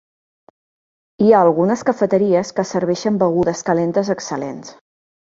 Hi ha algunes cafeteries que serveixen begudes calentes excel·lents.